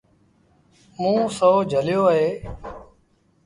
موݩ سهو جھليو اهي۔